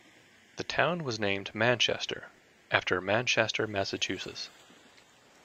The town was named Manchester after Manchester, Massachusetts.